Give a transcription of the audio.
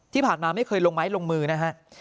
ที่ผ่านมาไม่เคยลงไม้ลงมือนะฮะ